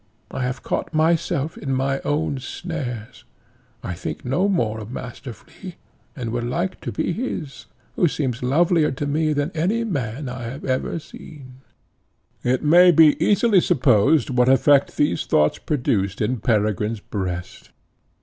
I have caught myself in my own snares. I think no more of Master Flea, and would like to be his, who seems lovelier to me than any man I have ever seen." It may be easily supposed what effect these thoughts produced in Peregrine's breast.